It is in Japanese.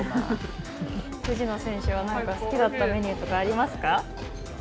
藤野選手は、なんか好きだったメニューとかありますか。